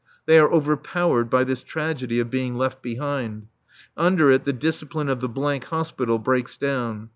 They are overpowered by this tragedy of being left behind. Under it the discipline of the Hospital breaks down.